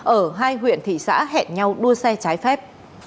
ở hai huyện thị xã hẹn nhau đua xe trái phép